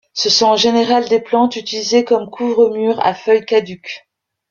Ce sont en général des plantes utilisées comme couvre-murs, à feuilles caduques.